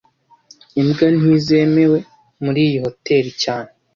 Imbwa ntizemewe muri iyi hoteri cyane